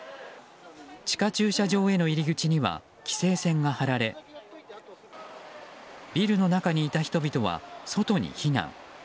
地下駐車場への入り口には規制線が張られビルの中にいた人々は外に避難。